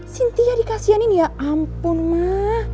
sintia dikasihanin ya ampun mah